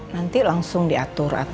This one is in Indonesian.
nanti langsung diatur